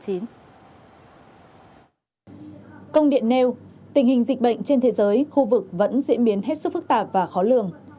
công điện nêu tình hình dịch bệnh trên thế giới khu vực vẫn diễn biến hết sức phức tạp và khó lường